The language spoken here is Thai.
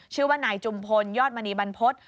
ชื่อว่านายจุมพลยอดมณีบรรพฤษ